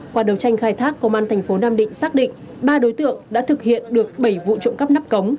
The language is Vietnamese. qua đầu tranh khai thác công an tp nhcm xác định ba đối tượng đã thực hiện được bảy vụ trộm cắp nắp cống